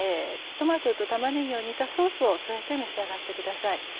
トマトと玉ねぎを煮たソースを添えて召し上がってください。